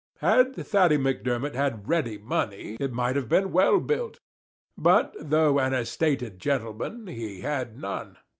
Had Thady Macdermot had ready money, it might have been well built; but though an estated gentleman, he had none.